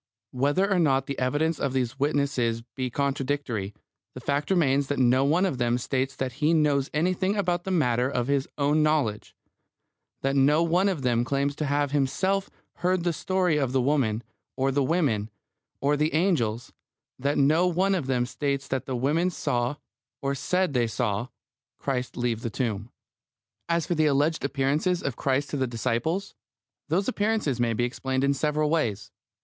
Whether or not the evidence of these witnesses be contradictory, the facts remain that no one of them states that he knows anything about the matter of his own knowledge; that no one of them claims to have himself heard the story of the woman, or the women, or the angels; that no one of them states that the women saw, or said they saw, Christ leave the tomb. As for the alleged appearances of Christ to the disciples, those appearances may be explained in several ways.